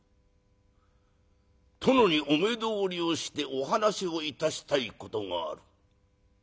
殿にお目通りをしてお話をいたしたいことがある。